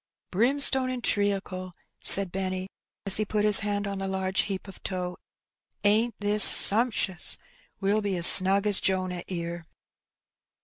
" Brimstone and treacle I " said Benny, as he put his hand on the large heap of tow ;^^ ain't this sumpshus ? We'll be as snug as Jonah 'ere."